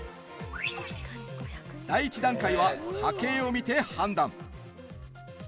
第１段階は、波形を見て判断。